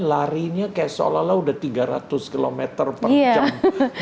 larinya kayak seolah olah udah tiga ratus km per jam